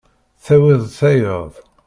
Tawiḍ-d tayeḍ.